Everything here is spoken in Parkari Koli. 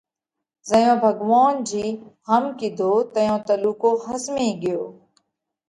زئيون ڀڳوونَ جِي هم ڪِيڌو تئيون تلُوڪو ۿزمي ڳيو